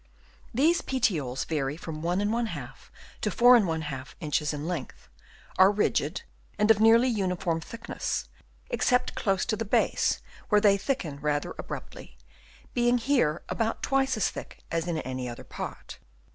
These petioles vary from 2^ to 4<| inches in length, are rigid and of nearly uniform thickness, except close to the base where they thicken rather abruptly, being here about twice as thick as in any other part.